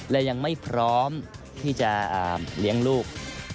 และยังไม่พร้อมที่จะเลี้ยงลูก